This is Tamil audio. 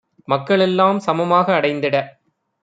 மக்களெல் லாம்சம மாக அடைந்திட